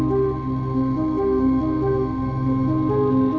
jangan usain anchor